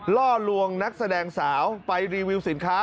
ล่อลวงนักแสดงสาวไปรีวิวสินค้า